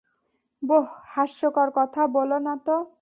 বোহ, হাস্যকর কথা বলো না তো।